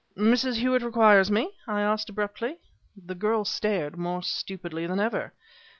"Mrs. Hewett requires me?" I asked abruptly. The girl stared more stupidly than ever.